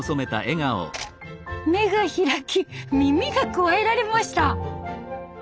目が開き耳が加えられました。